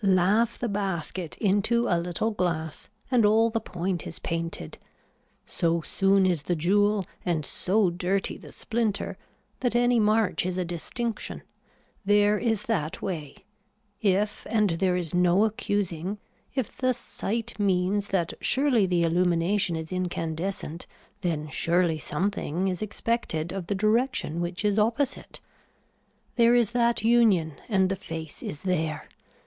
Laugh the basket into a little glass and all the point is painted. So soon is the jewel and so dirty the splinter that any march is a distinction. There is that way. If and there is no accusing, if the sight means that surely the illumination is incandescent then surely something is expected of the direction which is opposite. There is that union and the face is there.